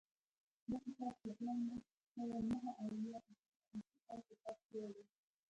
دا کتاب په دیارلس سوه نهه اویا هجري شمسي کال کې چاپ شوی دی